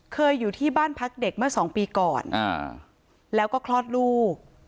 อยู่ที่บ้านพักเด็กเมื่อสองปีก่อนแล้วก็คลอดลูก